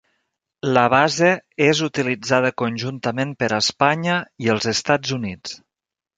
La base és utilitzada conjuntament per Espanya i els Estats Units.